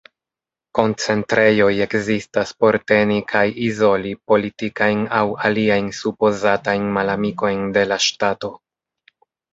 Koncentrejoj ekzistas por teni kaj izoli politikajn aŭ aliajn supozatajn malamikojn de la ŝtato.